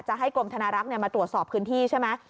ให้กรมธนารักษ์มาตรวจสอบพื้นที่ใช่ไหม